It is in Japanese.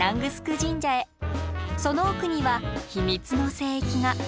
その奥には秘密の聖域が。